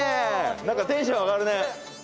なんかテンション上がるね！」